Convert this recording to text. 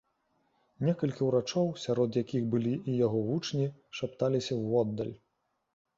Некалькі ўрачоў, сярод якіх былі і яго вучні, шапталіся воддаль.